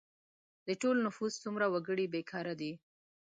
د ټول نفوس څومره وګړي بې کاره دي؟